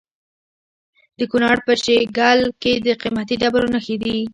د کونړ په شیګل کې د قیمتي ډبرو نښې دي.